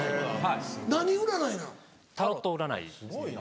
何占いなの？